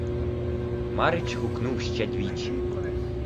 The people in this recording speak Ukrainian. Марич гукнув ще двічі.